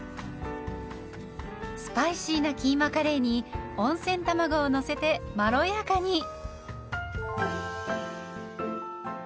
スパイシーなキーマカレーに温泉卵をのせてまろやかに。